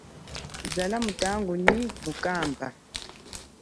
Zala mutanganyi nyi mukaba.